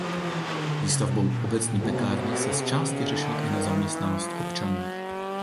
Výstavbou obecní pekárny se zčásti řešila i nezaměstnanost občanů.